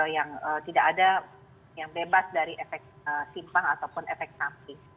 yang tidak ada yang bebas dari efek simpang ataupun efek samping